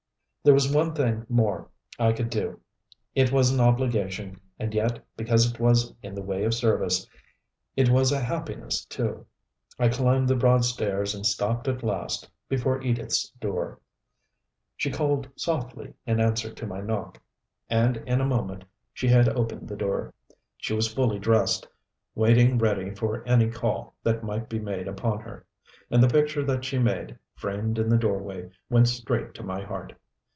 There was one thing more I could do. It was an obligation, and yet, because it was in the way of service, it was a happiness too. I climbed the broad stairs and stopped at last before Edith's door. She called softly in answer to my knock. And in a moment she had opened the door. She was fully dressed, waiting ready for any call that might be made upon her. And the picture that she made, framed in the doorway, went straight to my heart.